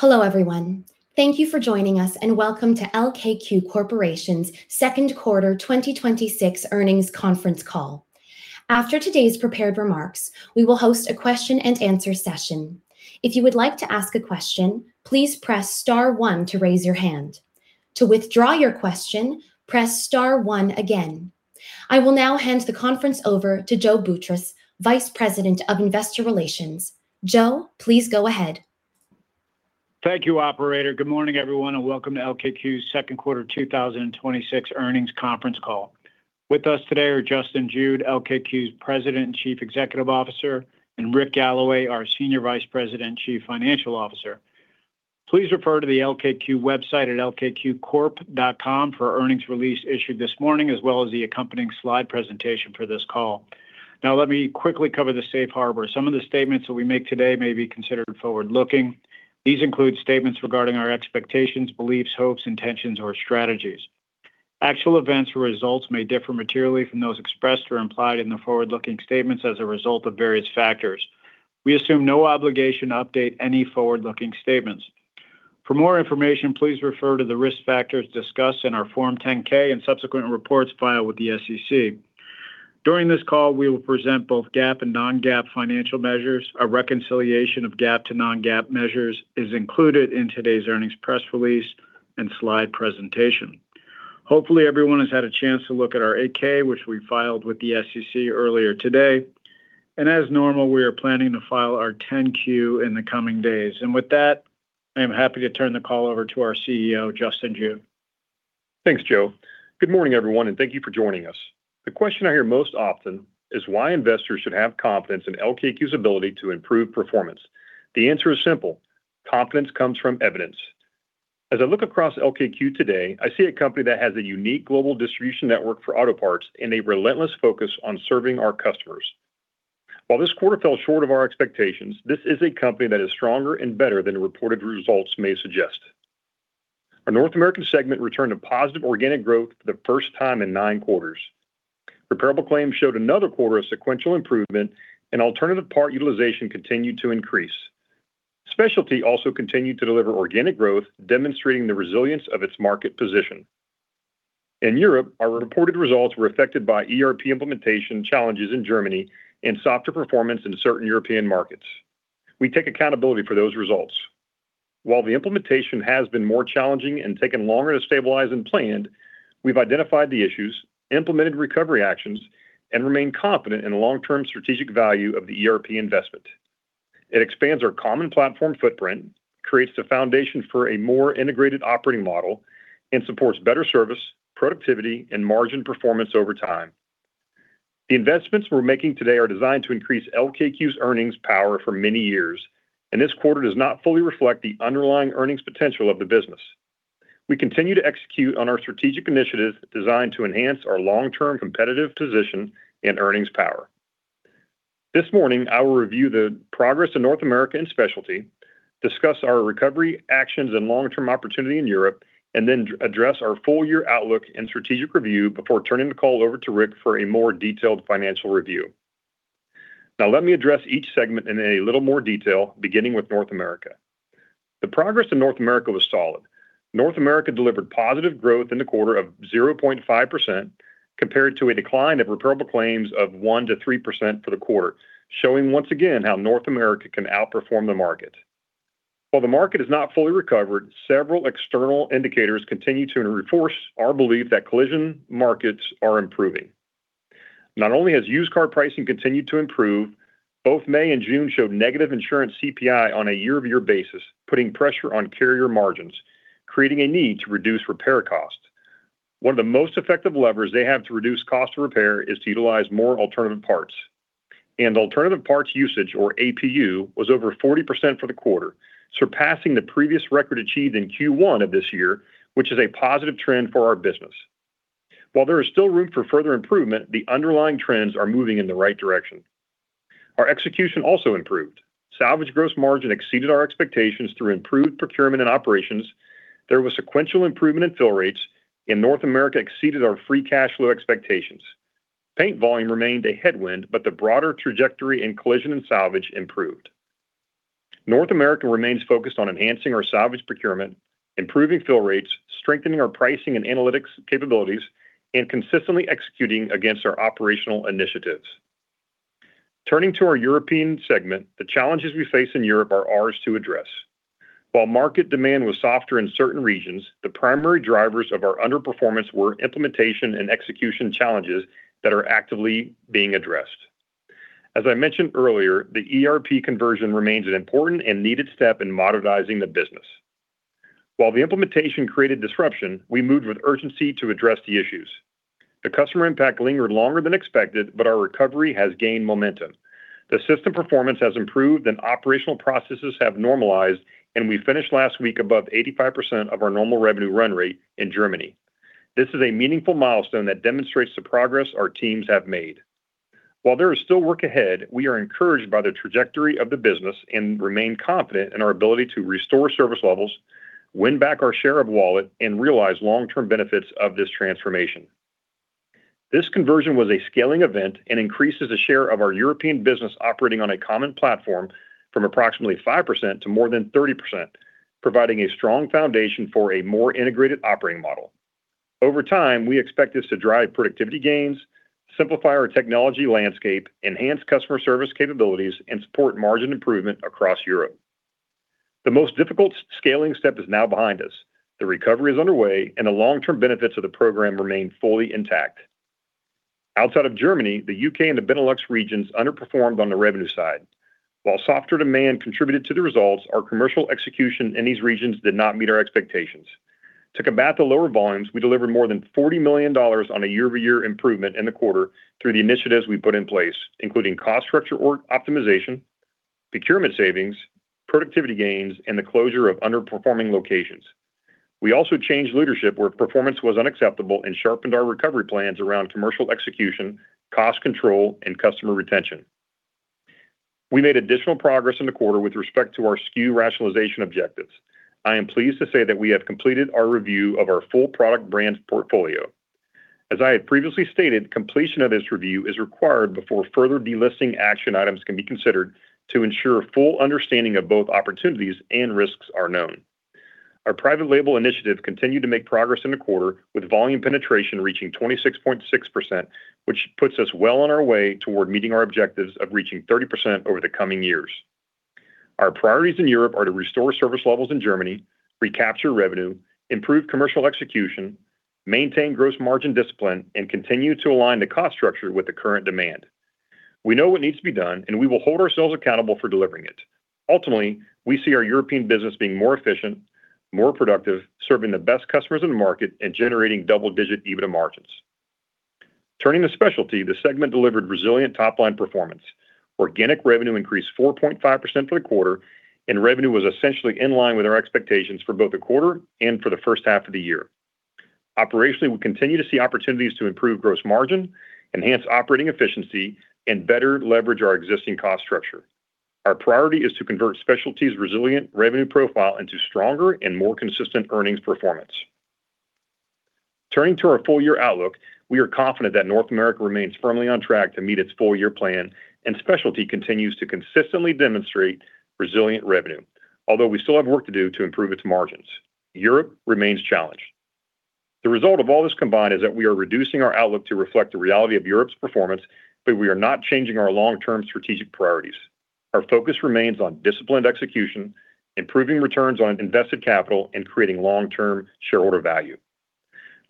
Hello, everyone. Thank you for joining us and welcome to LKQ Corporation's second quarter 2026 earnings conference call. After today's prepared remarks, we will host a question and answer session. If you would like to ask a question, please press star one to raise your hand. To withdraw your question, press star one again. I will now hand the conference over to Joe Boutross, Vice President of Investor Relations. Joe, please go ahead. Thank you, operator. Good morning, everyone, and welcome to LKQ's second quarter 2026 earnings conference call. With us today are Justin Jude, LKQ's President and Chief Executive Officer, and Rick Galloway, our Senior Vice President and Chief Financial Officer. Please refer to the lkqcorp.com website for earnings release issued this morning, as well as the accompanying slide presentation for this call. Let me quickly cover the safe harbor. Some of the statements that we make today may be considered forward-looking. These include statements regarding our expectations, beliefs, hopes, intentions, or strategies. Actual events or results may differ materially from those expressed or implied in the forward-looking statements as a result of various factors. We assume no obligation to update any forward-looking statements. For more information, please refer to the risk factors discussed in our Form 10-K and subsequent reports filed with the SEC. During this call, we will present both GAAP and non-GAAP financial measures. A reconciliation of GAAP to non-GAAP measures is included in today's earnings press release and slide presentation. Hopefully, everyone has had a chance to look at our 8-K, which we filed with the SEC earlier today. As normal, we are planning to file our 10-Q in the coming days. With that, I am happy to turn the call over to our CEO, Justin Jude. Thanks, Joe. Good morning, everyone, thank you for joining us. The question I hear most often is why investors should have confidence in LKQ's ability to improve performance. The answer is simple. Confidence comes from evidence. As I look across LKQ today, I see a company that has a unique global distribution network for auto parts and a relentless focus on serving our customers. While this quarter fell short of our expectations, this is a company that is stronger and better than reported results may suggest. Our North American segment returned to positive organic growth for the first time in nine quarters. Repairable claims showed another quarter of sequential improvement, and alternative part utilization continued to increase. Specialty also continued to deliver organic growth, demonstrating the resilience of its market position. In Europe, our reported results were affected by ERP implementation challenges in Germany and softer performance in certain European markets. We take accountability for those results. While the implementation has been more challenging and taken longer to stabilize than planned, we've identified the issues, implemented recovery actions, and remain confident in the long-term strategic value of the ERP investment. It expands our common platform footprint, creates the foundation for a more integrated operating model, and supports better service, productivity, and margin performance over time. The investments we're making today are designed to increase LKQ's earnings power for many years, and this quarter does not fully reflect the underlying earnings potential of the business. We continue to execute on our strategic initiatives designed to enhance our long-term competitive position and earnings power. This morning, I will review the progress in North America and Specialty, discuss our recovery actions and long-term opportunity in Europe. Then address our full-year outlook and strategic review before turning the call over to Rick for a more detailed financial review. Let me address each segment in a little more detail, beginning with North America. The progress in North America was solid. North America delivered positive growth in the quarter of 0.5% compared to a decline of repairable claims of 1%-3% for the quarter, showing once again how North America can outperform the market. While the market has not fully recovered, several external indicators continue to reinforce our belief that collision markets are improving. Not only has used car pricing continued to improve, both May and June showed negative insurance CPI on a year-over-year basis, putting pressure on carrier margins, creating a need to reduce repair costs. One of the most effective levers they have to reduce cost of repair is to utilize more alternative parts. Alternative Parts Usage, or APU, was over 40% for the quarter, surpassing the previous record achieved in Q1 of this year, which is a positive trend for our business. While there is still room for further improvement, the underlying trends are moving in the right direction. Our execution also improved. Salvage gross margin exceeded our expectations through improved procurement and operations. There was sequential improvement in fill rates. North America exceeded our free cash flow expectations. The broader trajectory in collision and salvage improved. North America remains focused on enhancing our salvage procurement, improving fill rates, strengthening our pricing and analytics capabilities, and consistently executing against our operational initiatives. Turning to our European segment, the challenges we face in Europe are ours to address. While market demand was softer in certain regions, the primary drivers of our underperformance were implementation and execution challenges that are actively being addressed. As I mentioned earlier, the ERP conversion remains an important and needed step in modernizing the business. While the implementation created disruption, we moved with urgency to address the issues. The customer impact lingered longer than expected. Our recovery has gained momentum. The system performance has improved. Operational processes have normalized, and we finished last week above 85% of our normal revenue run rate in Germany. This is a meaningful milestone that demonstrates the progress our teams have made. While there is still work ahead, we are encouraged by the trajectory of the business and remain confident in our ability to restore service levels, win back our share of wallet, and realize long-term benefits of this transformation. This conversion was a scaling event and increases the share of our European business operating on a common platform from approximately 5% to more than 30%, providing a strong foundation for a more integrated operating model. Over time, we expect this to drive productivity gains, simplify our technology landscape, enhance customer service capabilities, and support margin improvement across Europe. The most difficult scaling step is now behind us. The recovery is underway, and the long-term benefits of the program remain fully intact. Outside of Germany, the U.K. and the Benelux regions underperformed on the revenue side. While softer demand contributed to the results, our commercial execution in these regions did not meet our expectations. To combat the lower volumes, we delivered more than $40 million on a year-over-year improvement in the quarter through the initiatives we put in place, including cost structure optimization, procurement savings, productivity gains, and the closure of underperforming locations. We also changed leadership where performance was unacceptable and sharpened our recovery plans around commercial execution, cost control, and customer retention. We made additional progress in the quarter with respect to our SKU rationalization objectives. I am pleased to say that we have completed our review of our full product brand portfolio. As I had previously stated, completion of this review is required before further delisting action items can be considered to ensure full understanding of both opportunities and risks are known. Our private label initiatives continued to make progress in the quarter, with volume penetration reaching 26.6%, which puts us well on our way toward meeting our objectives of reaching 30% over the coming years. Our priorities in Europe are to restore service levels in Germany, recapture revenue, improve commercial execution, maintain gross margin discipline, and continue to align the cost structure with the current demand. We know what needs to be done, and we will hold ourselves accountable for delivering it. Ultimately, we see our European business being more efficient, more productive, serving the best customers in the market, and generating double-digit EBITDA margins. Turning to Specialty, the segment delivered resilient top-line performance. Organic revenue increased 4.5% for the quarter, and revenue was essentially in line with our expectations for both the quarter and for the first half of the year. Operationally, we continue to see opportunities to improve gross margin, enhance operating efficiency, and better leverage our existing cost structure. Our priority is to convert Specialty's resilient revenue profile into stronger and more consistent earnings performance. Turning to our full-year outlook, we are confident that North America remains firmly on track to meet its full-year plan, and Specialty continues to consistently demonstrate resilient revenue, although we still have work to do to improve its margins. Europe remains challenged. The result of all this combined is that we are reducing our outlook to reflect the reality of Europe's performance, but we are not changing our long-term strategic priorities. Our focus remains on disciplined execution, improving returns on invested capital, and creating long-term shareholder value.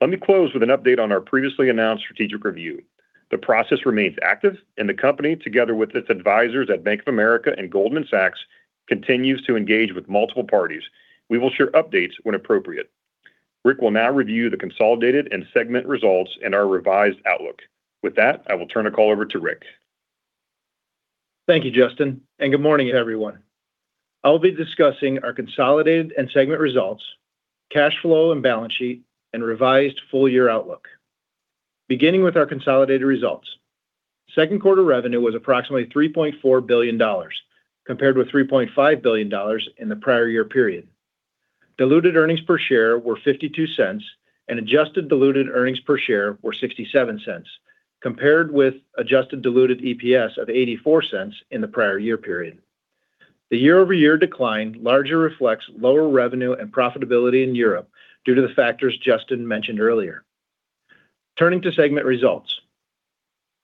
Let me close with an update on our previously announced strategic review. The process remains active, and the company, together with its advisors at Bank of America and Goldman Sachs, continues to engage with multiple parties. We will share updates when appropriate. Rick will now review the consolidated and segment results and our revised outlook. With that, I will turn the call over to Rick. Thank you, Justin, and good morning, everyone. I'll be discussing our consolidated and segment results, cash flow and balance sheet, and revised full-year outlook. Beginning with our consolidated results. Second quarter revenue was approximately $3.4 billion, compared with $3.5 billion in the prior year period. Diluted earnings per share were $0.52, and adjusted diluted earnings per share were $0.67, compared with adjusted diluted EPS of $0.84 in the prior year period. The year-over-year decline largely reflects lower revenue and profitability in Europe due to the factors Justin mentioned earlier. Turning to segment results.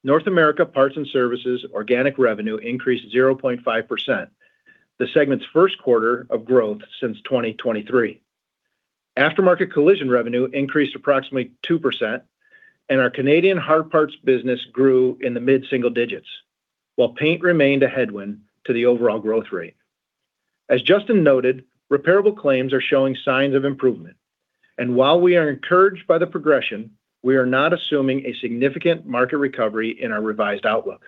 North America Parts and Services organic revenue increased 0.5%, the segment's first quarter of growth since 2023. Aftermarket collision revenue increased approximately 2%, and our Canadian hard parts business grew in the mid-single digits, while paint remained a headwind to the overall growth rate. As Justin noted, repairable claims are showing signs of improvement, and while we are encouraged by the progression, we are not assuming a significant market recovery in our revised outlook.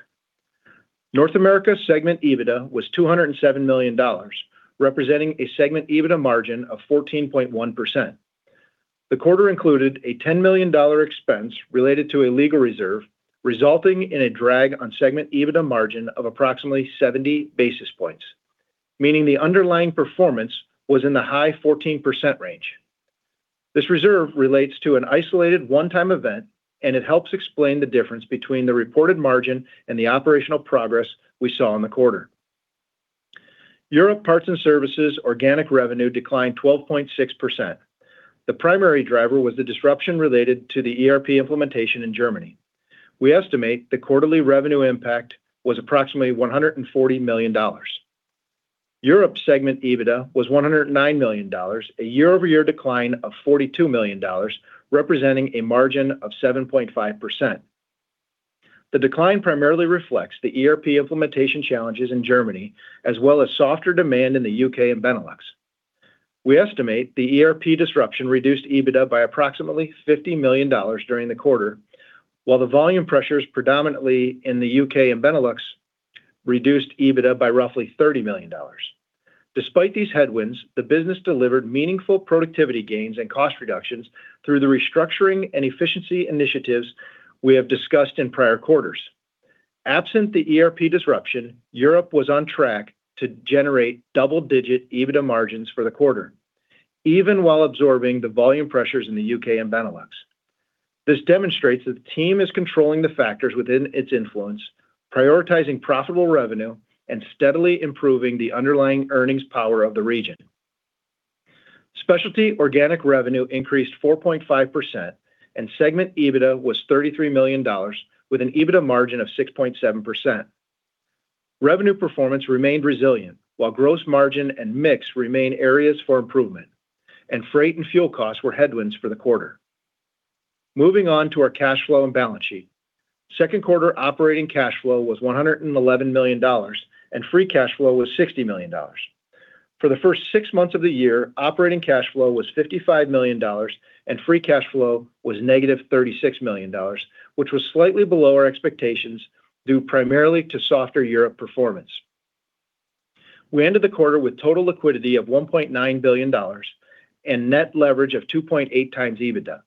North America segment EBITDA was $207 million, representing a segment EBITDA margin of 14.1%. The quarter included a $10 million expense related to a legal reserve, resulting in a drag on segment EBITDA margin of approximately 70 basis points, meaning the underlying performance was in the high 14% range. This reserve relates to an isolated one-time event, and it helps explain the difference between the reported margin and the operational progress we saw in the quarter. Europe Parts and Services organic revenue declined 12.6%. The primary driver was the disruption related to the ERP implementation in Germany. We estimate the quarterly revenue impact was approximately $140 million. Europe segment EBITDA was $109 million, a year-over-year decline of $42 million, representing a margin of 7.5%. The decline primarily reflects the ERP implementation challenges in Germany, as well as softer demand in the U.K. and Benelux. We estimate the ERP disruption reduced EBITDA by approximately $50 million during the quarter, while the volume pressures predominantly in the U.K. and Benelux reduced EBITDA by roughly $30 million. Despite these headwinds, the business delivered meaningful productivity gains and cost reductions through the restructuring and efficiency initiatives we have discussed in prior quarters. Absent the ERP disruption, Europe was on track to generate double-digit EBITDA margins for the quarter, even while absorbing the volume pressures in the U.K. and Benelux. This demonstrates that the team is controlling the factors within its influence, prioritizing profitable revenue, and steadily improving the underlying earnings power of the region. Specialty organic revenue increased 4.5%, and segment EBITDA was $33 million with an EBITDA margin of 6.7%. Revenue performance remained resilient, while gross margin and mix remain areas for improvement, and freight and fuel costs were headwinds for the quarter. Moving on to our cash flow and balance sheet. Second quarter operating cash flow was $111 million, and free cash flow was $60 million. For the first six months of the year, operating cash flow was $55 million, and free cash flow was -$36 million, which was slightly below our expectations due primarily to softer Europe performance. We ended the quarter with total liquidity of $1.9 billion and net leverage of 2.8x EBITDA.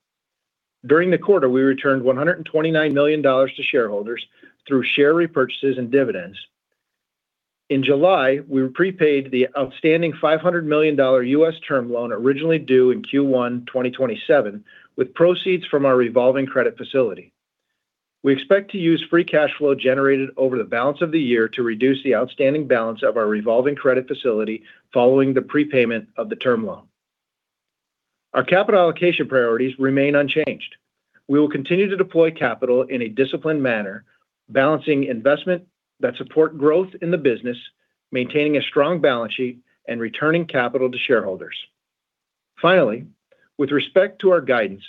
During the quarter, we returned $129 million to shareholders through share repurchases and dividends. In July, we prepaid the outstanding $500 million U.S. term loan originally due in Q1 2027 with proceeds from our revolving credit facility. We expect to use free cash flow generated over the balance of the year to reduce the outstanding balance of our revolving credit facility following the prepayment of the term loan. Our capital allocation priorities remain unchanged. We will continue to deploy capital in a disciplined manner, balancing investment that support growth in the business, maintaining a strong balance sheet, and returning capital to shareholders. Finally, with respect to our guidance,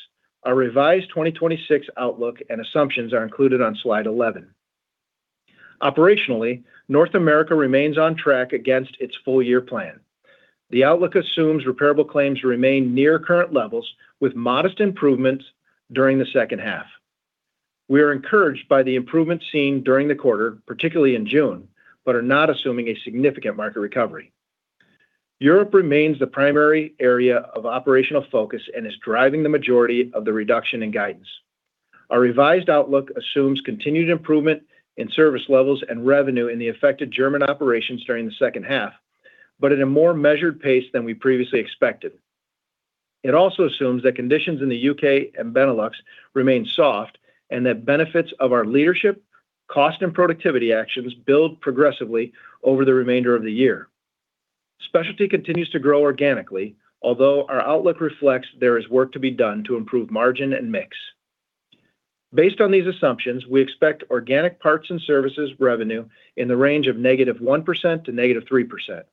our revised 2026 outlook and assumptions are included on slide 11. Operationally, North America remains on track against its full-year plan. The outlook assumes repairable claims remain near current levels with modest improvements during the second half. We are encouraged by the improvements seen during the quarter, particularly in June, but are not assuming a significant market recovery. Europe remains the primary area of operational focus and is driving the majority of the reduction in guidance. Our revised outlook assumes continued improvement in service levels and revenue in the affected German operations during the second half, but at a more measured pace than we previously expected. It also assumes that conditions in the U.K. and Benelux remain soft and that benefits of our leadership, cost and productivity actions build progressively over the remainder of the year. Specialty continues to grow organically, although our outlook reflects there is work to be done to improve margin and mix. Based on these assumptions, we expect organic parts and services revenue in the range of -1% to -3%.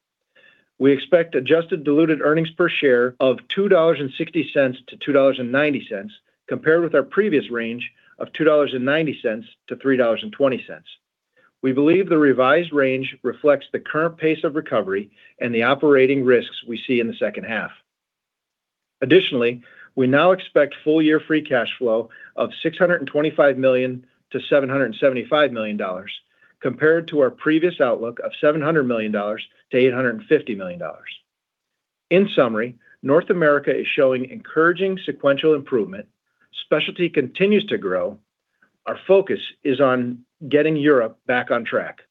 We expect adjusted diluted earnings per share of $2.60-$2.90, compared with our previous range of $2.90-$3.20. We believe the revised range reflects the current pace of recovery and the operating risks we see in the second half. Additionally, we now expect full year free cash flow of $625 million-$775 million, compared to our previous outlook of $700 million-$850 million. In summary, North America is showing encouraging sequential improvement. Specialty continues to grow. Our focus is on getting Europe back on track.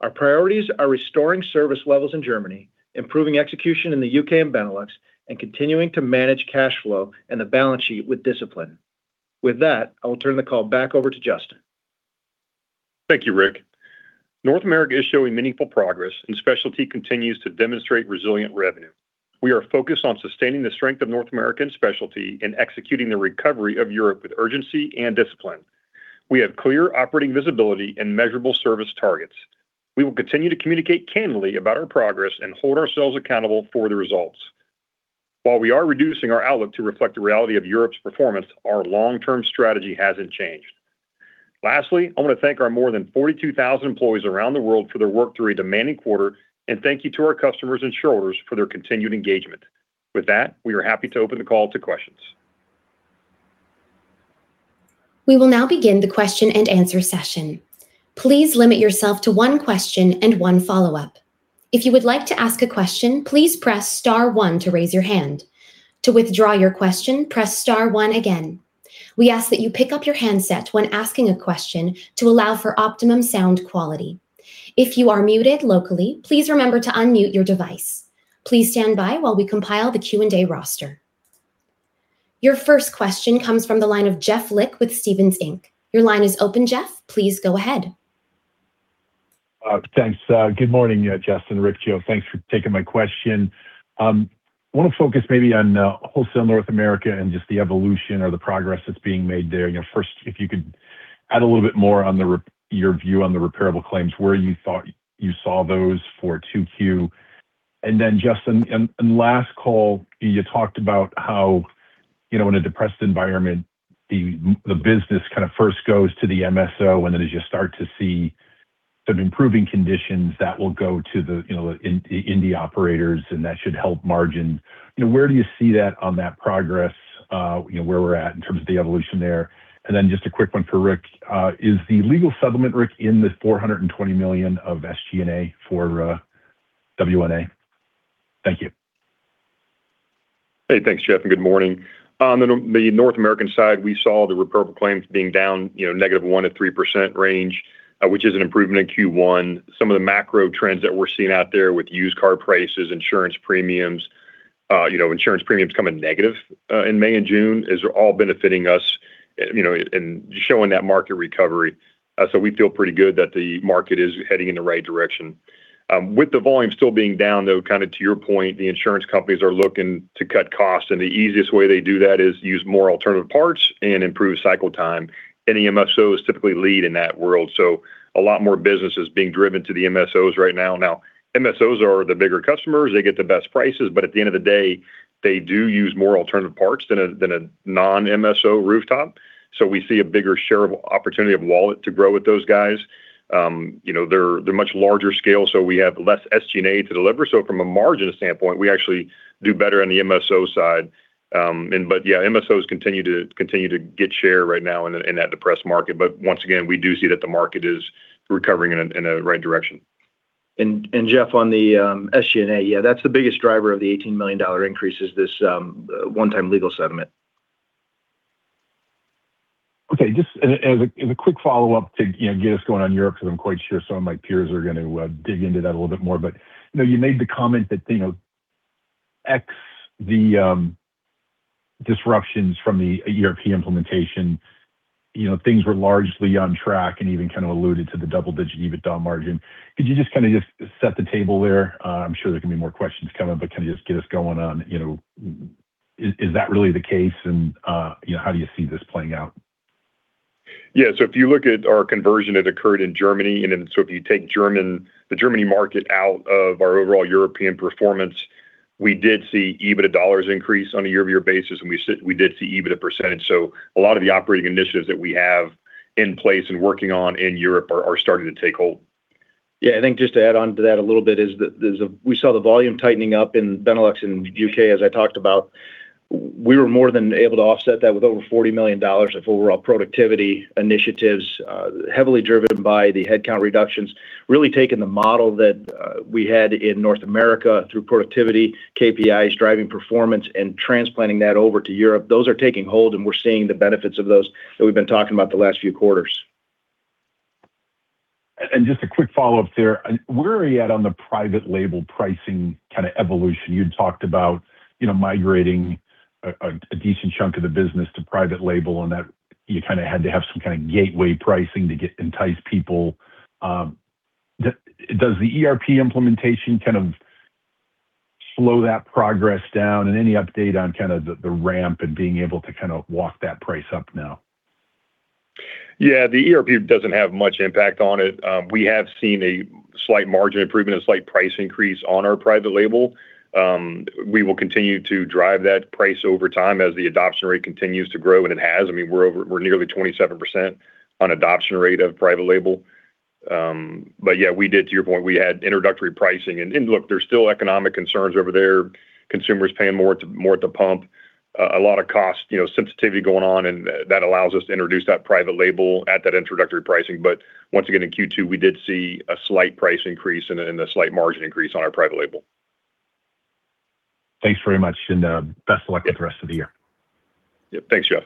Our priorities are restoring service levels in Germany, improving execution in the U.K. and Benelux, and continuing to manage cash flow and the balance sheet with discipline. With that, I will turn the call back over to Justin. Thank you, Rick. North America is showing meaningful progress, and Specialty continues to demonstrate resilient revenue. We are focused on sustaining the strength of North America and Specialty and executing the recovery of Europe with urgency and discipline. We have clear operating visibility and measurable service targets. We will continue to communicate candidly about our progress and hold ourselves accountable for the results. While we are reducing our outlook to reflect the reality of Europe's performance, our long-term strategy hasn't changed. Lastly, I want to thank our more than 42,000 employees around the world for their work through a demanding quarter, and thank you to our customers and shareholders for their continued engagement. With that, we are happy to open the call to questions. We will now begin the question-and-answer session. Please limit yourself to one question and one follow-up. If you would like to ask a question, please press star one to raise your hand. To withdraw your question, press star one again. We ask that you pick up your handset when asking a question to allow for optimum sound quality. If you are muted locally, please remember to unmute your device. Please stand by while we compile the Q&A roster. Your first question comes from the line of Jeff Lick with Stephens Inc. Your line is open, Jeff. Please go ahead. Thanks. Good morning, Justin, Rick, Joe. Thanks for taking my question. I want to focus maybe on Wholesale North America and just the evolution or the progress that's being made there. First, if you could add a little bit more on your view on the repairable claims, where you saw those for 2Q. Then Justin, in last call, you talked about how in a depressed environment, the business kind of first goes to the MSO, and then as you start to see some improving conditions, that will go to the indie operators, and that should help margin. Where do you see that on that progress, where we're at in terms of the evolution there? Then just a quick one for Rick. Is the legal settlement, Rick, in the $420 million of SG&A for WNA? Thank you. Hey, thanks Jeff, and good morning. On the North American side, we saw the repairable claims being down -1% to -3% range, which is an improvement in Q1. Some of the macro trends that we're seeing out there with used car prices, insurance premiums. Insurance premiums coming negative in May and June is all benefiting us and showing that market recovery. So we feel pretty good that the market is heading in the right direction. With the volume still being down, though, to your point, the insurance companies are looking to cut costs, and the easiest way they do that is use more alternative parts and improve cycle time. And MSOs typically lead in that world, so a lot more business is being driven to the MSOs right now. Now, MSOs are the bigger customers. They get the best prices. At the end of the day, they do use more alternative parts than a non-MSO rooftop. We see a bigger share of opportunity of wallet to grow with those guys. They are much larger scale, so we have less SG&A to deliver. From a margin standpoint, we actually do better on the MSO side. Yeah, MSOs continue to get share right now in that depressed market. Once again, we do see that the market is recovering in a right direction. Jeff, on the SG&A, yeah, that's the biggest driver of the $18 million increase, is this one-time legal settlement. Okay. Just as a quick follow-up to get us going on Europe, because I'm quite sure some of my peers are going to dig into that a little bit more. You made the comment that, ex the disruptions from the ERP implementation, things were largely on track and even kind of alluded to the double-digit EBITDA margin. Could you just kind of just set the table there? I'm sure there are going to be more questions coming, but kind of just get us going on, is that really the case, and how do you see this playing out? Yeah. If you look at our conversion that occurred in Germany, if you take the Germany market out of our overall European performance, we did see EBITDA dollars increase on a year-over-year basis. We did see EBITDA percentage. A lot of the operating initiatives that we have in place and working on in Europe are starting to take hold. Yeah, I think just to add onto that a little bit is that we saw the volume tightening up in Benelux and U.K., as I talked about. We were more than able to offset that with over $40 million of overall productivity initiatives, heavily driven by the headcount reductions, really taking the model that we had in North America through productivity, KPIs, driving performance, and transplanting that over to Europe. Those are taking hold, and we're seeing the benefits of those that we've been talking about the last few quarters. Just a quick follow-up there. Where are you at on the private label pricing kind of evolution? You had talked about migrating a decent chunk of the business to private label and that you had to have some kind of gateway pricing to entice people. Does the ERP implementation kind of slow that progress down? Any update on the ramp and being able to walk that price up now? Yeah, the ERP doesn't have much impact on it. We have seen a slight margin improvement, a slight price increase on our private label. We will continue to drive that price over time as the adoption rate continues to grow, and it has. We're nearly 27% on adoption rate of private label. Yeah, to your point, we had introductory pricing. Look, there's still economic concerns over there. Consumers paying more at the pump. A lot of cost sensitivity going on, and that allows us to introduce that private label at that introductory pricing. Once again, in Q2, we did see a slight price increase and a slight margin increase on our private label. Thanks very much, best of luck with the rest of the year. Thanks, Jeff.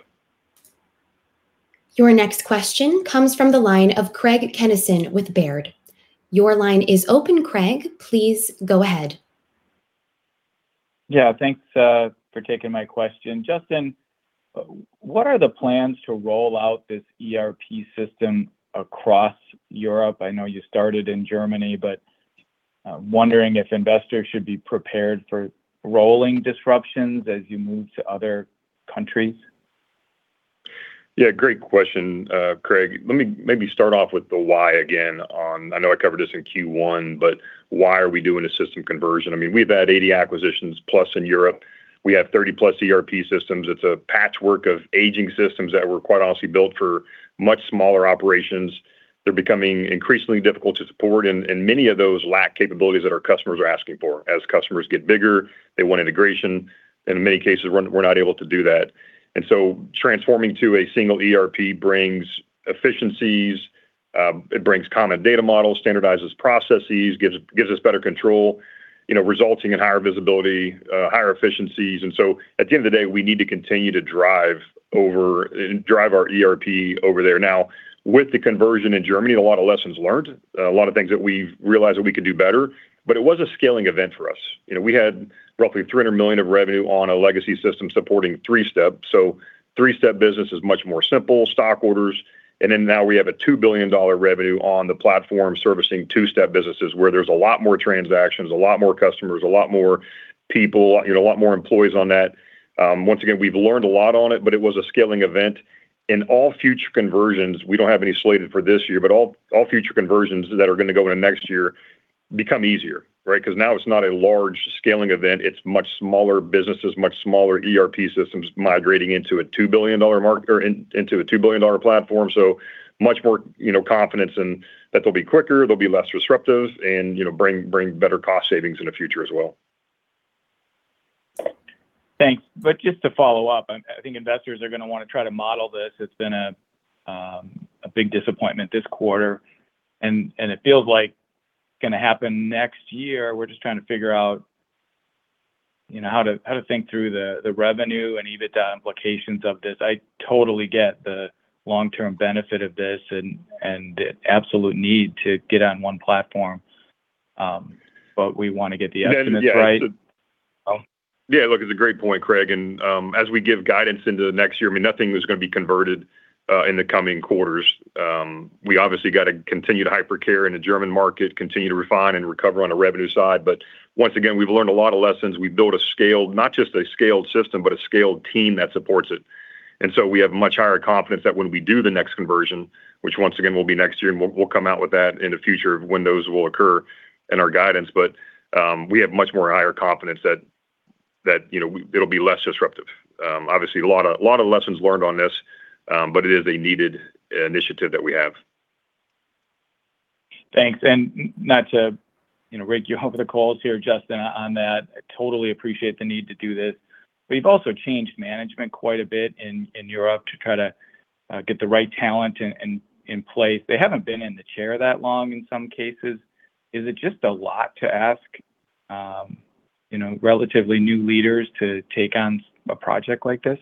Your next question comes from the line of Craig Kennison with Baird. Your line is open, Craig. Please go ahead. Thanks for taking my question. Justin, what are the plans to roll out this ERP system across Europe? I know you started in Germany, but wondering if investors should be prepared for rolling disruptions as you move to other countries. Great question, Craig. Let me maybe start off with the why again on, I know I covered this in Q1, but why are we doing a system conversion? We've had 80 acquisitions plus in Europe. We have 30+ ERP systems. It's a patchwork of aging systems that were, quite honestly, built for much smaller operations. They're becoming increasingly difficult to support, and many of those lack capabilities that our customers are asking for. As customers get bigger, they want integration, and in many cases, we're not able to do that. Transforming to a single ERP brings efficiencies, it brings common data models, standardizes processes, gives us better control, resulting in higher visibility, higher efficiencies. At the end of the day, we need to continue to drive our ERP over there. Now, with the conversion in Germany, a lot of lessons learned, a lot of things that we've realized that we could do better. It was a scaling event for us. We had roughly $300 million of revenue on a legacy system supporting three-step. Three-step business is much more simple, stock orders. Now we have a $2 billion revenue on the platform servicing two-step businesses where there's a lot more transactions, a lot more customers, a lot more people, a lot more employees on that. Once again, we've learned a lot on it, but it was a scaling event. In all future conversions, we don't have any slated for this year, but all future conversions that are going to go into next year become easier, right? Now it's not a large scaling event. It's much smaller businesses, much smaller ERP systems migrating into a $2 billion platform. Much more confidence in that they'll be quicker, they'll be less disruptive, and bring better cost savings in the future as well. Thanks. Just to follow up, I think investors are going to want to try to model this. It's been a big disappointment this quarter, and it feels like going to happen next year. We're just trying to figure out how to think through the revenue and EBITDA implications of this. I totally get the long-term benefit of this and the absolute need to get on one platform, but we want to get the estimates right. Yeah. Look, it's a great point, Craig, as we give guidance into the next year, nothing is going to be converted in the coming quarters. We obviously got to continue to Hypercare in the German market, continue to refine and recover on the revenue side. Once again, we've learned a lot of lessons. We've built a scale, not just a scaled system, but a scaled team that supports it. We have much higher confidence that when we do the next conversion, which once again will be next year, and we'll come out with that in the future of when those will occur in our guidance. We have much more higher confidence that it'll be less disruptive. Obviously, a lot of lessons learned on this, but it is a needed initiative that we have. Thanks. Not to rake you over the coals here, Justin, on that. I totally appreciate the need to do this. You've also changed management quite a bit in Europe to try to get the right talent in place. They haven't been in the chair that long in some cases. Is it just a lot to ask relatively new leaders to take on a project like this?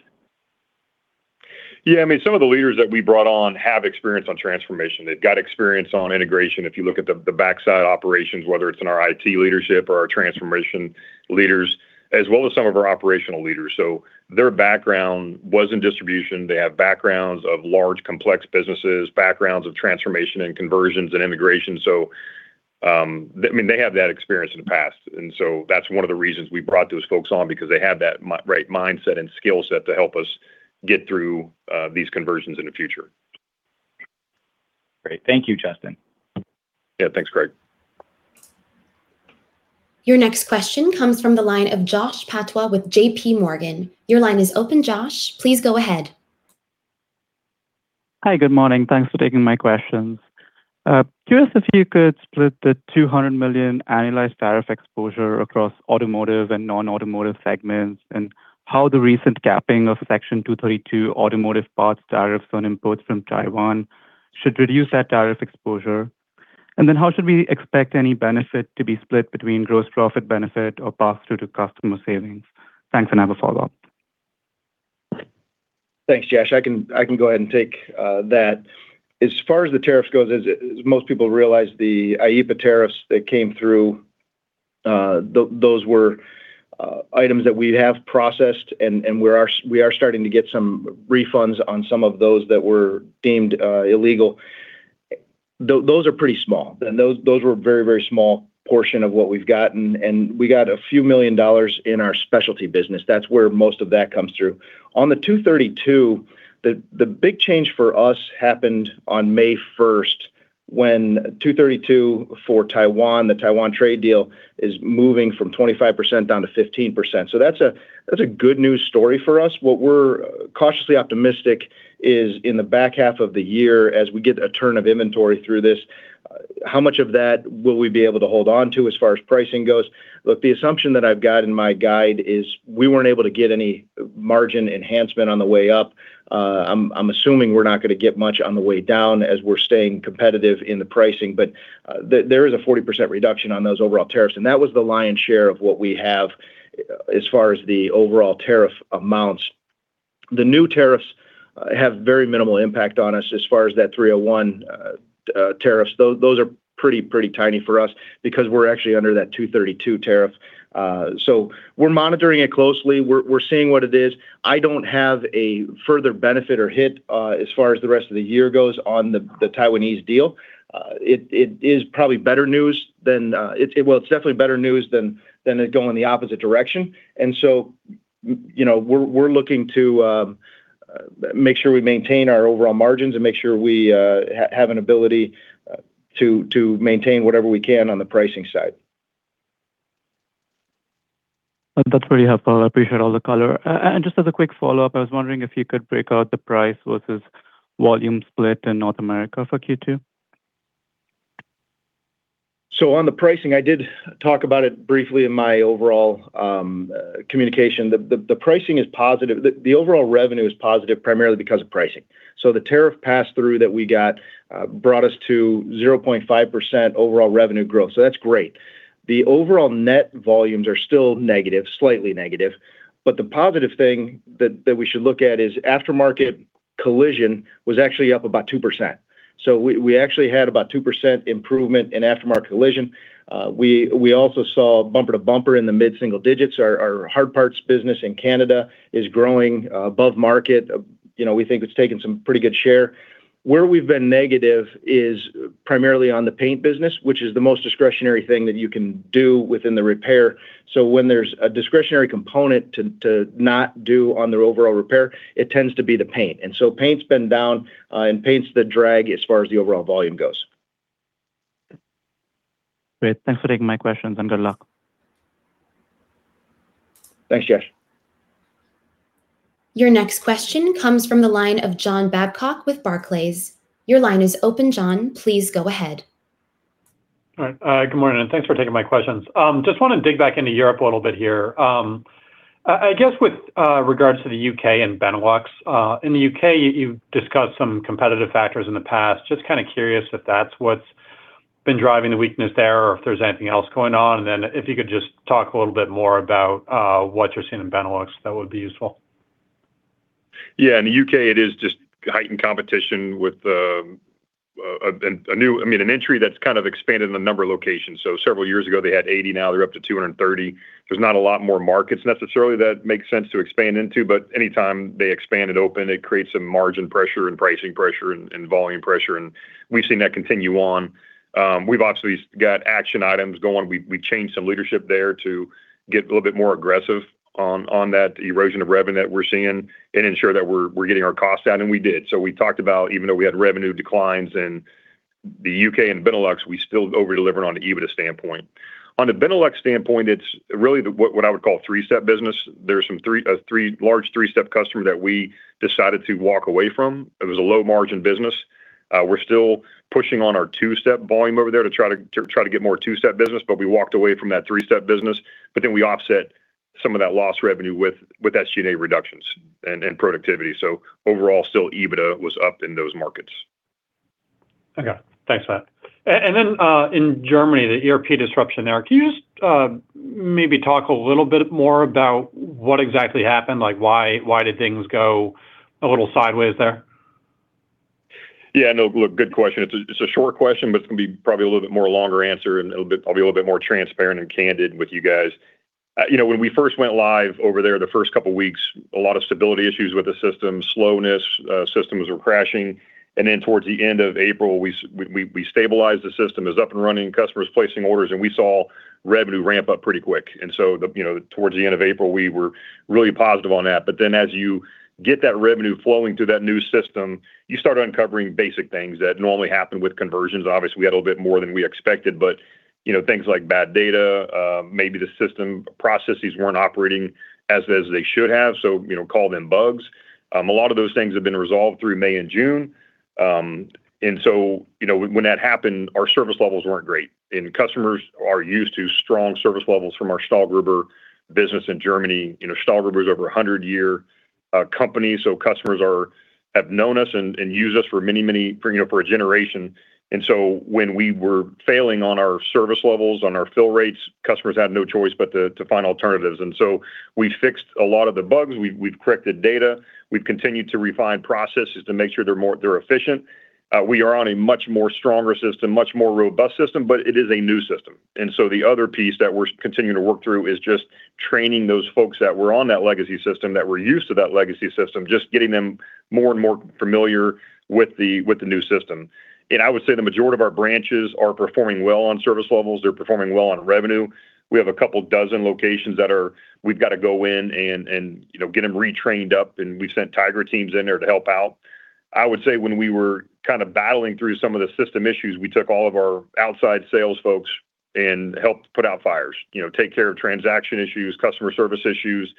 Yeah, some of the leaders that we brought on have experience on transformation. They've got experience on integration. If you look at the backside operations, whether it's in our IT leadership or our transformation leaders, as well as some of our operational leaders. Their background was in distribution. They have backgrounds of large complex businesses, backgrounds of transformation and conversions and integration. They have that experience in the past, and so that's one of the reasons we brought those folks on because they have that right mindset and skill set to help us get through these conversions in the future. Great. Thank you, Justin. Yeah. Thanks, Craig. Your next question comes from the line of Jash Patwa with JPMorgan. Your line is open, Jash. Please go ahead. Hi. Good morning. Thanks for taking my questions. Curious if you could split the $200 million annualized tariff exposure across automotive and non-automotive segments, how the recent capping of Section 232 automotive parts tariffs on imports from Taiwan should reduce that tariff exposure. How should we expect any benefit to be split between gross profit benefit or pass through to customer savings? Thanks. I have a follow-up. Thanks, Jash. I can go ahead and take that. As far as the tariffs goes, as most people realize, the IEEPA tariffs that came through, those were items that we have processed, and we are starting to get some refunds on some of those that were deemed illegal. Those are pretty small. Those were a very small portion of what we've gotten, and we got a few million dollars in our specialty business. That's where most of that comes through. On the 232, the big change for us happened on May 1st when 232 for Taiwan, the Taiwan trade deal, is moving from 25% down to 15%. That's a good news story for us. What we're cautiously optimistic is in the back half of the year, as we get a turn of inventory through this, how much of that will we be able to hold onto as far as pricing goes? Look, the assumption that I've got in my guide is we weren't able to get any margin enhancement on the way up. I'm assuming we're not going to get much on the way down as we're staying competitive in the pricing. There is a 40% reduction on those overall tariffs, and that was the lion's share of what we have as far as the overall tariff amounts. The new tariffs have very minimal impact on us as far as that 301 tariffs. Those are pretty tiny for us because we're actually under that 232 tariff. We're monitoring it closely. We're seeing what it is. I don't have a further benefit or hit as far as the rest of the year goes on the Taiwanese deal. It is probably better news. Well, it's definitely better news than it going the opposite direction. We're looking to make sure we maintain our overall margins and make sure we have an ability to maintain whatever we can on the pricing side. That's very helpful. I appreciate all the color. Just as a quick follow-up, I was wondering if you could break out the price versus volume split in North America for Q2. On the pricing, I did talk about it briefly in my overall communication. The pricing is positive. The overall revenue is positive primarily because of pricing. The tariff pass-through that we got brought us to 0.5% overall revenue growth. That's great. The overall net volumes are still negative, slightly negative, the positive thing that we should look at is aftermarket collision was actually up about 2%. We actually had about 2% improvement in aftermarket collision. We also saw Bumper to Bumper in the mid-single digits. Our hard parts business in Canada is growing above market. We think it's taken some pretty good share. Where we've been negative is primarily on the paint business, which is the most discretionary thing that you can do within the repair. When there's a discretionary component to not do on the overall repair, it tends to be the paint. Paint's been down, and paint's the drag as far as the overall volume goes. Great. Thanks for taking my questions, and good luck. Thanks, Jash. Your next question comes from the line of John Babcock with Barclays. Your line is open, John. Please go ahead. All right. Good morning, and thanks for taking my questions. Just want to dig back into Europe a little bit here. I guess with regards to the U.K. and Benelux, in the U.K. you've discussed some competitive factors in the past. Just kind of curious if that's what's been driving the weakness there or if there's anything else going on. If you could just talk a little bit more about what you're seeing in Benelux, that would be useful. In the U.K. it is just heightened competition with an entry that's kind of expanded in a number of locations. Several years ago they had 80, now they're up to 230. There's not a lot more markets necessarily that make sense to expand into, but anytime they expand and open, it creates some margin pressure and pricing pressure and volume pressure. We've seen that continue on. We've obviously got action items going. We changed some leadership there to get a little bit more aggressive on that erosion of revenue that we're seeing and ensure that we're getting our costs down, and we did. We talked about even though we had revenue declines in the U.K. and Benelux, we still over-delivered on the EBITDA standpoint. On the Benelux standpoint, it's really what I would call a three-step business. There's some large three-step customer that we decided to walk away from. It was a low margin business. We're still pushing on our two-step volume over there to try to get more two-step business, but we walked away from that three-step business. We offset some of that lost revenue with SG&A reductions and productivity. Overall, still EBITDA was up in those markets. Okay. Thanks for that. In Germany, the ERP disruption there. Can you just maybe talk a little bit more about what exactly happened? Why did things go a little sideways there? Good question. It's a short question, but it's going to be probably a little bit more longer answer, and I'll be a little bit more transparent and candid with you guys. When we first went live over there, the first couple of weeks, a lot of stability issues with the system, slowness, systems were crashing. Towards the end of April, we stabilized the system. It was up and running, customers placing orders, and we saw revenue ramp up pretty quick. Towards the end of April, we were really positive on that. As you get that revenue flowing through that new system, you start uncovering basic things that normally happen with conversions. Obviously, we had a little bit more than we expected, but things like bad data, maybe the system processes weren't operating as they should have. Call them bugs. A lot of those things have been resolved through May and June. When that happened, our service levels weren't great. Customers are used to strong service levels from our STAHLGRUBER business in Germany. STAHLGRUBER is over 100 year company, so customers have known us and used us for a generation. When we were failing on our service levels, on our fill rates, customers had no choice but to find alternatives. We fixed a lot of the bugs. We've corrected data. We've continued to refine processes to make sure they're efficient. We are on a much more stronger system, much more robust system, but it is a new system. The other piece that we're continuing to work through is just training those folks that were on that legacy system, that were used to that legacy system, just getting them more and more familiar with the new system. I would say the majority of our branches are performing well on service levels. They're performing well on revenue. We have a couple dozen locations that we've got to go in and get them retrained up, and we've sent Tiger Teams in there to help out. I would say when we were kind of battling through some of the system issues, we took all of our outside sales folks and helped put out fires, take care of transaction issues, customer service issues.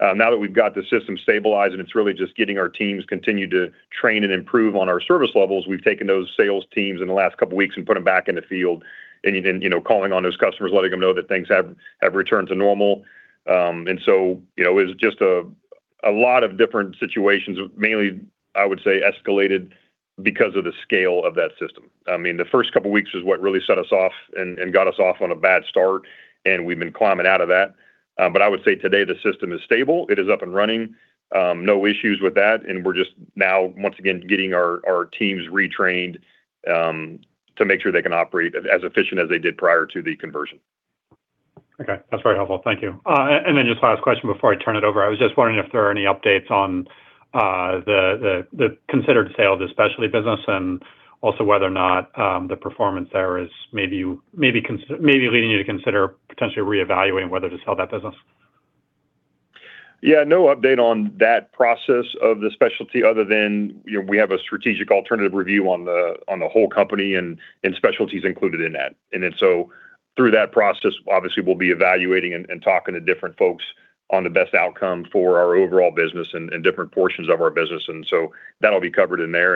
Now that we've got the system stabilized and it's really just getting our teams continued to train and improve on our service levels, we've taken those sales teams in the last couple weeks and put them back in the field and calling on those customers, letting them know that things have returned to normal. It was just a lot of different situations, mainly, I would say, escalated because of the scale of that system. The first couple weeks was what really set us off and got us off on a bad start, and we've been climbing out of that. I would say today the system is stable. It is up and running. No issues with that. We're just now, once again, getting our teams retrained to make sure they can operate as efficient as they did prior to the conversion. Okay. That's very helpful. Thank you. Then just last question before I turn it over. I was just wondering if there are any updates on the considered sale of the specialty business and also whether or not the performance there is maybe leading you to consider potentially reevaluating whether to sell that business. Yeah, no update on that process of the specialty other than we have a strategic alternative review on the whole company and specialty's included in that. Through that process, obviously we'll be evaluating and talking to different folks on the best outcome for our overall business and different portions of our business, that'll be covered in there.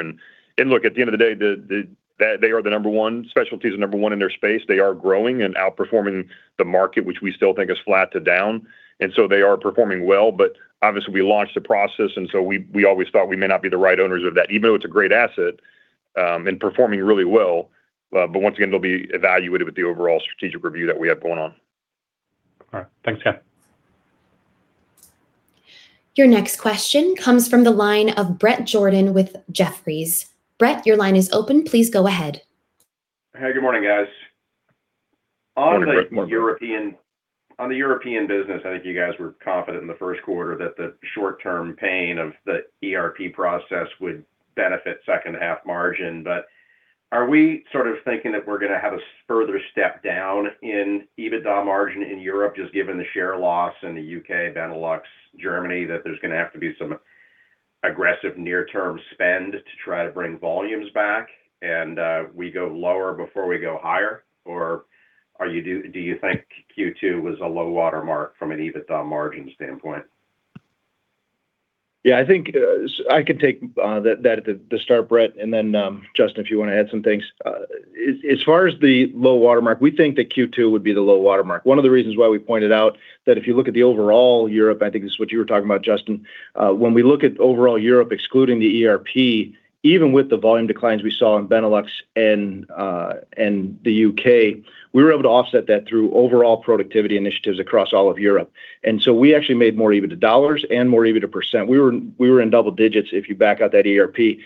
Look, at the end of the day, specialty is the number one in their space. They are growing and outperforming the market, which we still think is flat to down. They are performing well, but obviously we launched the process, we always thought we may not be the right owners of that, even though it's a great asset and performing really well. Once again, it'll be evaluated with the overall strategic review that we have going on. All right. Thanks. Yeah. Your next question comes from the line of Bret Jordan with Jefferies. Bret, your line is open. Please go ahead. Morning. On the European business, I think you guys were confident in the first quarter that the short-term pain of the ERP process would benefit second half margin. Are we sort of thinking that we're going to have a further step down in EBITDA margin in Europe, just given the share loss in the U.K., Benelux, Germany, that there's going to have to be some aggressive near-term spend to try to bring volumes back and we go lower before we go higher? Or do you think Q2 was a low water mark from an EBITDA margin standpoint? Yeah, I think I can take that at the start, Bret, and then Justin, if you want to add some things. As far as the low watermark, we think that Q2 would be the low watermark. One of the reasons why we pointed out that if you look at the overall Europe, I think this is what you were talking about, Justin, when we look at overall Europe excluding the ERP, even with the volume declines we saw in Benelux and the U.K., we were able to offset that through overall productivity initiatives across all of Europe. We actually made more EBITDA dollars and more EBITDA percent. We were in double digits if you back out that ERP.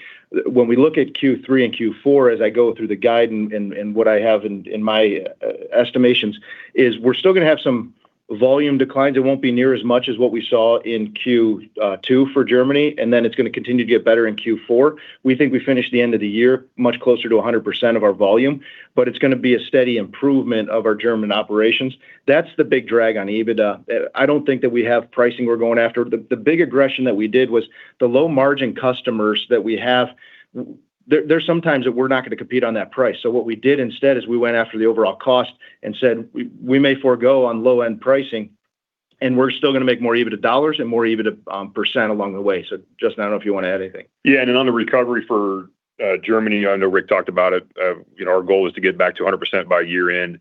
When we look at Q3 and Q4, as I go through the guide and what I have in my estimations, is we're still going to have some volume declines. It won't be near as much as what we saw in Q2 for Germany. It's going to continue to get better in Q4. We think we finish the end of the year much closer to 100% of our volume, but it's going to be a steady improvement of our German operations. That's the big drag on EBITDA. I don't think that we have pricing we're going after. The big aggression that we did was the low-margin customers that we have, there's some times that we're not going to compete on that price. What we did instead is we went after the overall cost and said, "We may forego on low-end pricing, and we're still going to make more EBITDA dollars and more EBITDA percent along the way." Justin, I don't know if you want to add anything. Yeah. On the recovery for Germany, I know Rick talked about it. Our goal is to get back to 100% by year-end,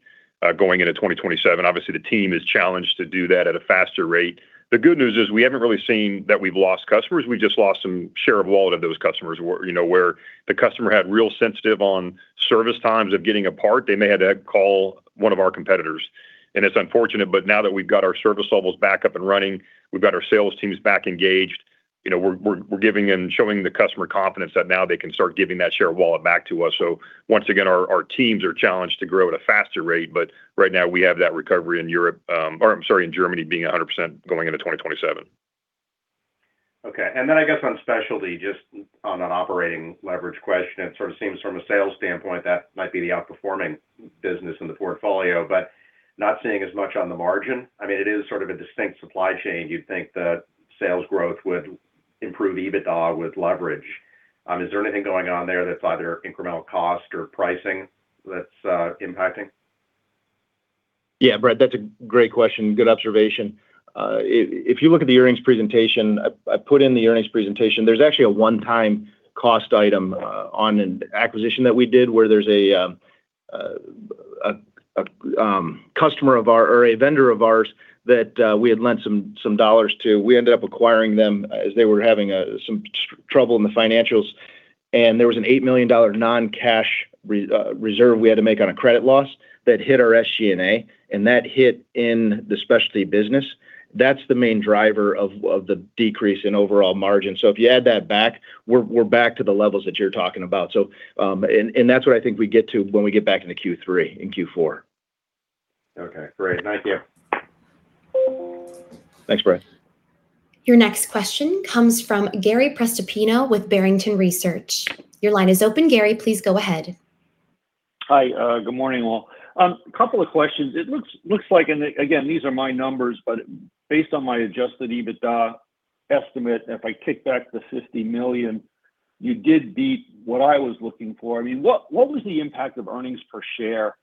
going into 2027. Obviously, the team is challenged to do that at a faster rate. The good news is we haven't really seen that we've lost customers. We just lost some share of wallet of those customers, where the customer had real sensitive on service times of getting a part. They may have had to call one of our competitors. It's unfortunate, but now that we've got our service levels back up and running, we've got our sales teams back engaged. We're giving and showing the customer confidence that now they can start giving that share of wallet back to us. Once again, our teams are challenged to grow at a faster rate, but right now we have that recovery in Germany being 100% going into 2027. Okay. I guess on specialty, just on an operating leverage question, it sort of seems from a sales standpoint that might be the outperforming business in the portfolio, but not seeing as much on the margin. It is sort of a distinct supply chain. You'd think that sales growth would improve EBITDA with leverage. Is there anything going on there that's either incremental cost or pricing that's impacting? Yeah, Bret, that's a great question. Good observation. If you look at the earnings presentation, I put in the earnings presentation, there's actually a one-time cost item on an acquisition that we did where there's a vendor of ours that we had lent some dollars to. We ended up acquiring them as they were having some trouble in the financials, and there was an $8 million non-cash reserve we had to make on a credit loss that hit our SG&A, and that hit in the specialty business. That's the main driver of the decrease in overall margin. If you add that back, we're back to the levels that you're talking about. That's what I think we get to when we get back into Q3 and Q4. Okay. Great. Thank you. Thanks, Bret. Your next question comes from Gary Prestopino with Barrington Research. Your line is open, Gary. Please go ahead. Hi. Good morning, all. Couple of questions. Again, these are my numbers, but based on my adjusted EBITDA estimate, if I kick back the $50 million, you did beat what I was looking for. What was the impact of earnings per share,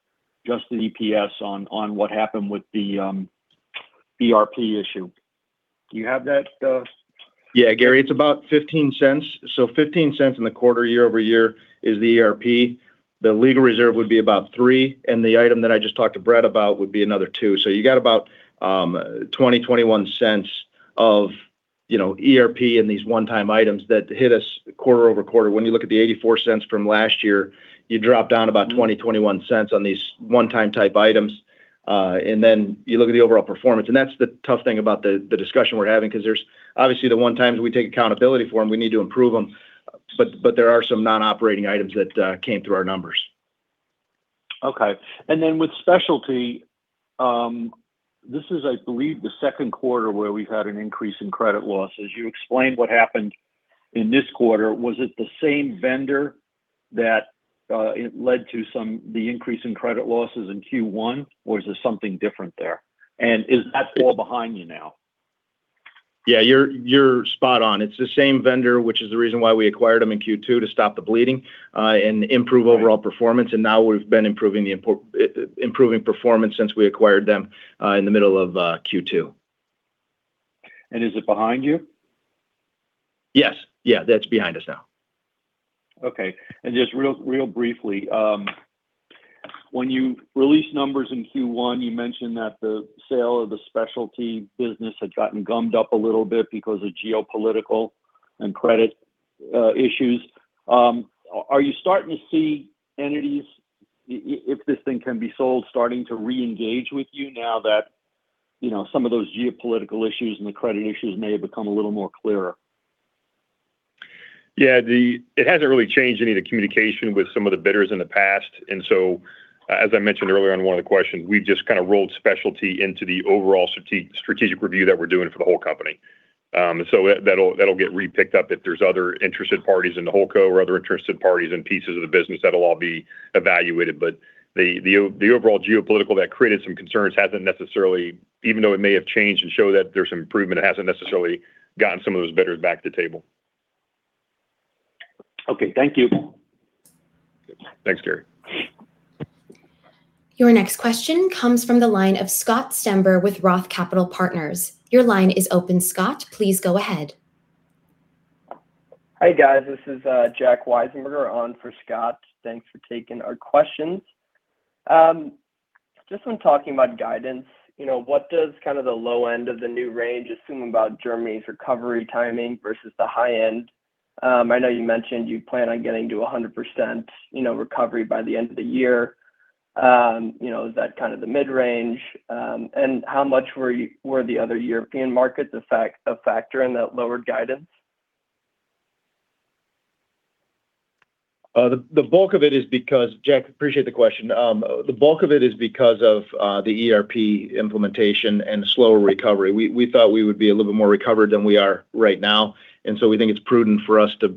just the EPS on what happened with the ERP issue? Do you have that? Yeah, Gary, it's about $0.15. $0.15 in the quarter year-over-year is the ERP. The legal reserve would be about $0.03. The item that I just talked to Bret about would be another $0.02. You got about $0.20, $0.21 of ERP and these one-time items that hit us quarter-over-quarter. When you look at the $0.84 from last year, you drop down about $0.20, $0.21 on these one-time type items. You look at the overall performance, that's the tough thing about the discussion we're having because there's obviously the one-times we take accountability for them, we need to improve them. There are some non-operating items that came through our numbers. Okay. With specialty, this is, I believe, the second quarter where we've had an increase in credit losses. You explained what happened in this quarter. Was it the same vendor that led to the increase in credit losses in Q1, or is there something different there? Is that all behind you now? Yeah, you're spot on. It's the same vendor, which is the reason why we acquired them in Q2 to stop the bleeding and improve overall performance. Now we've been improving performance since we acquired them in the middle of Q2. Is it behind you? Yes. Yeah, that's behind us now. Okay. Just real briefly, when you released numbers in Q1, you mentioned that the sale of the specialty business had gotten gummed up a little bit because of geopolitical and credit issues. Are you starting to see entities, if this thing can be sold, starting to reengage with you now that some of those geopolitical issues and the credit issues may have become a little more clearer? Yeah, it hasn't really changed any of the communication with some of the bidders in the past. As I mentioned earlier on one of the questions, we've just kind of rolled specialty into the overall strategic review that we're doing for the whole company. That'll get re-picked up if there's other interested parties in the whole co. or other interested parties in pieces of the business. That'll all be evaluated. The overall geopolitical that created some concerns hasn't necessarily, even though it may have changed and show that there's some improvement, it hasn't necessarily gotten some of those bidders back to the table. Okay. Thank you. Thanks, Gary. Your next question comes from the line of Scott Stember with ROTH Capital Partners. Your line is open, Scott. Please go ahead. Hi, guys. This is Jack Weisenberger on for Scott. Thanks for taking our questions. Just on talking about guidance, what does the low end of the new range assume about Germany's recovery timing versus the high end? I know you mentioned you plan on getting to 100% recovery by the end of the year. Is that the mid-range? How much were the other European markets a factor in that lowered guidance? Jack, appreciate the question. The bulk of it is because of the ERP implementation and slower recovery. We thought we would be a little bit more recovered than we are right now, we think it's prudent for us to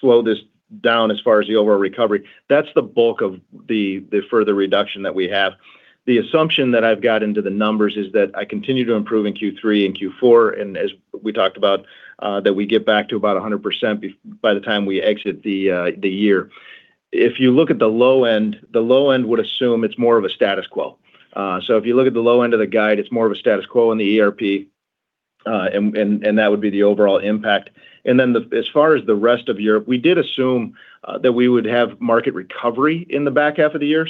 slow this down as far as the overall recovery. That's the bulk of the further reduction that we have. The assumption that I've got into the numbers is that I continue to improve in Q3 and Q4, as we talked about, that we get back to about 100% by the time we exit the year. If you look at the low end, the low end would assume it's more of a status quo. If you look at the low end of the guide, it's more of a status quo in the ERP, that would be the overall impact. As far as the rest of Europe, we did assume that we would have market recovery in the back half of the year,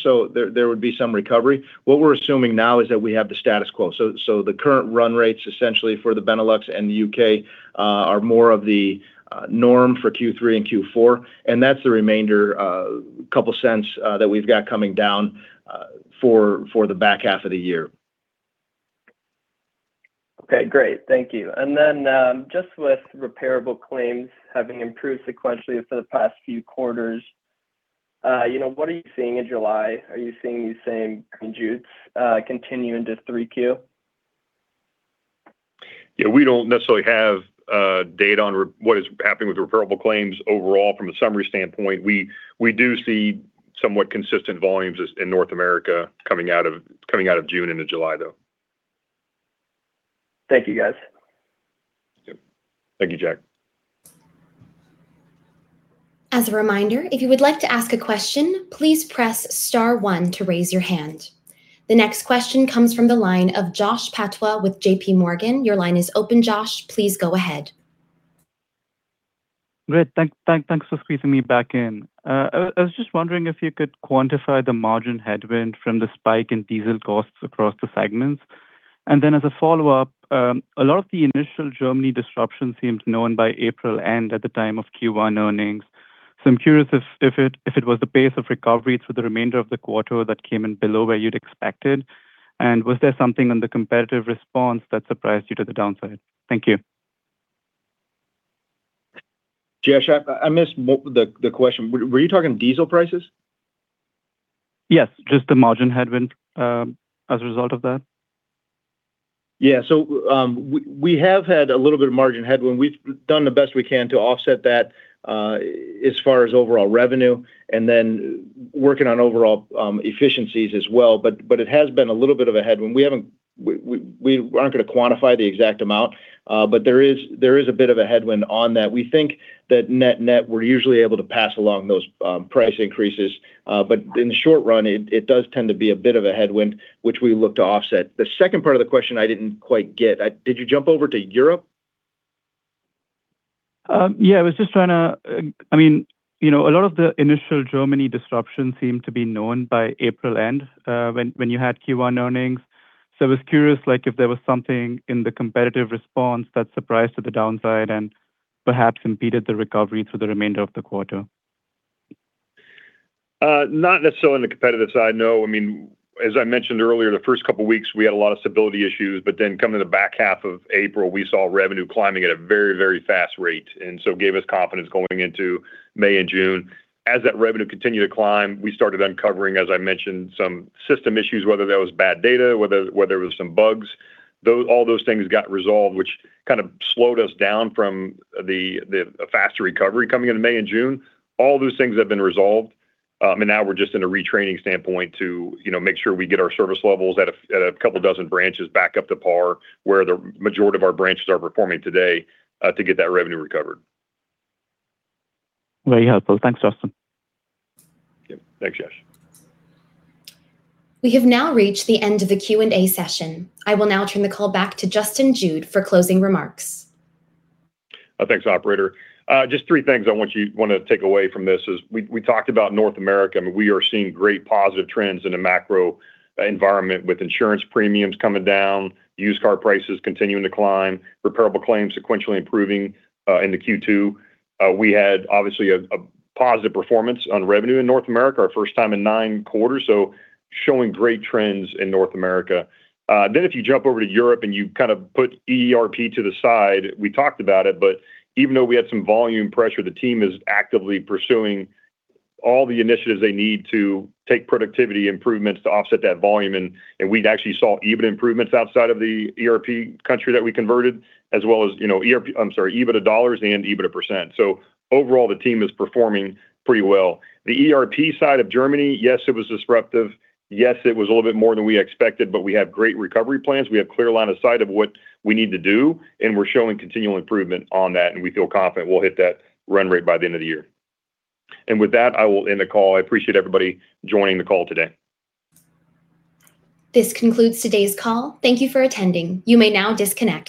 there would be some recovery. What we're assuming now is that we have the status quo. The current run rates, essentially for the Benelux and the U.K., are more of the norm for Q3 and Q4, that's the remainder, couple cents that we've got coming down for the back half of the year. Okay, great. Thank you. Then, just with repairable claims having improved sequentially for the past few quarters, what are you seeing in July? Are you seeing these same trends continue into 3Q? Yeah, we don't necessarily have data on what is happening with repairable claims overall from a summary standpoint. We do see somewhat consistent volumes in North America coming out of June into July, though. Thank you, guys. Yep. Thank you, Jack. As a reminder, if you would like to ask a question, please press star 1 to raise your hand. The next question comes from the line of Jash Patwa with JPMorgan. Your line is open, Jash. Please go ahead. Great. Thanks for squeezing me back in. I was just wondering if you could quantify the margin headwind from the spike in diesel costs across the segments. As a follow-up, a lot of the initial Germany disruption seemed known by April end at the time of Q1 earnings. I'm curious if it was the pace of recovery through the remainder of the quarter that came in below where you'd expected, and was there something on the competitive response that surprised you to the downside? Thank you. Jash, I missed the question. Were you talking diesel prices? Yes, just the margin headwind as a result of that. We have had a little bit of margin headwind. We've done the best we can to offset that as far as overall revenue, working on overall efficiencies as well. It has been a little bit of a headwind. We aren't going to quantify the exact amount, but there is a bit of a headwind on that. We think that net-net, we're usually able to pass along those price increases. In the short run, it does tend to be a bit of a headwind, which we look to offset. The second part of the question I didn't quite get. Did you jump over to Europe? A lot of the initial Germany disruption seemed to be known by April end, when you had Q1 earnings. I was curious if there was something in the competitive response that surprised to the downside and perhaps impeded the recovery through the remainder of the quarter. Not necessarily on the competitive side, no. As I mentioned earlier, the first couple of weeks, we had a lot of stability issues, coming to the back half of April, we saw revenue climbing at a very, very fast rate. Gave us confidence going into May and June. As that revenue continued to climb, we started uncovering, as I mentioned, some system issues, whether that was bad data, whether it was some bugs. All those things got resolved, which slowed us down from the faster recovery coming into May and June. All those things have been resolved. Now we're just in a retraining standpoint to make sure we get our service levels at a couple dozen branches back up to par where the majority of our branches are performing today, to get that revenue recovered. Very helpful. Thanks, Justin. Yep. Thanks, Jash. We have now reached the end of the Q&A session. I will now turn the call back to Justin Jude for closing remarks. Thanks, operator. Just three things I want you want to take away from this is, we talked about North America. We are seeing great positive trends in a macro environment with insurance premiums coming down, used car prices continuing to climb, repairable claims sequentially improving into Q2. We had, obviously, a positive performance on revenue in North America, our first time in nine quarters, showing great trends in North America. If you jump over to Europe and you put ERP to the side, we talked about it. Even though we had some volume pressure, the team is actively pursuing all the initiatives they need to take productivity improvements to offset that volume. We'd actually saw EBIT improvements outside of the ERP country that we converted, as well as, I'm sorry, EBIT of dollars and EBIT of percent. Overall, the team is performing pretty well. The ERP side of Germany, yes, it was disruptive. Yes, it was a little bit more than we expected. We have great recovery plans, we have clear line of sight of what we need to do, and we're showing continual improvement on that, and we feel confident we'll hit that run rate by the end of the year. With that, I will end the call. I appreciate everybody joining the call today. This concludes today's call. Thank you for attending. You may now disconnect